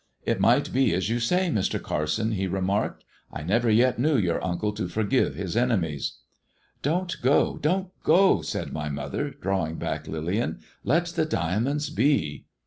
"It might be as you say, Mr. Carson," he remarked. " I never yet knew your uncle to forgive his enemies." "Don't go; don't go," said my mother, drawing back Lillian ;" let the diamonds be."